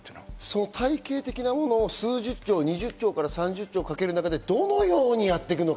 体系的なものを２０兆から３０兆をかける中でどのようにやっていくのか。